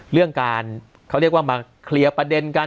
เรื่องการเขาเรียกว่ามาเคลียร์ประเด็นกัน